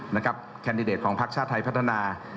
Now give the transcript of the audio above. แคนดิเดตของพักชาติไทยพัฒนา